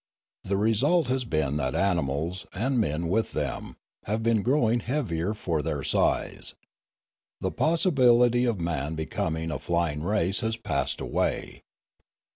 The result has been that animals, and men with them, have been growing heavier for their size. The possibility of man becom ing a flying race has passed away.